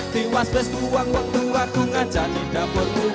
tiwas beskuang waktu aku nganjani dapurmu